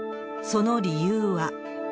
その理由は。